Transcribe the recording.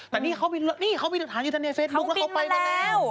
แต่นี่เขาบินนี่เขามีจักรฐานอยู่ทางนี้เซตมุกแล้วเขาไปแล้วเขาบินมาแล้ว